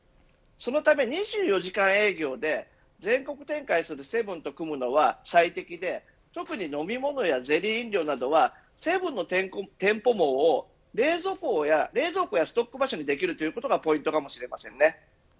そのために２４時間営業で全国展開するセブンと組むのは最適で、特に飲み物やゼリー飲料などはセブンの店舗網を冷蔵庫やストック場所にできるということがポイントかもしれません。